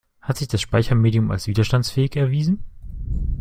Hat sich das Speichermedium als widerstandsfähig erwiesen?